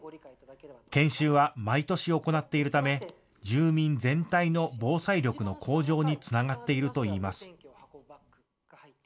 研修は毎年行っているため住民全体の防災力の向上につながっているといいます。